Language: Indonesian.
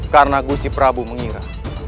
karena gusti prabu mengira